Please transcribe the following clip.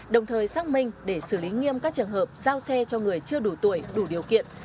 đồng thời xác minh để xử lý nghiêm các trường hợp giao xe cho người chưa đủ tuổi đủ điều kiện